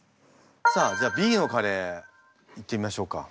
さあじゃあＢのカレーいってみましょうか。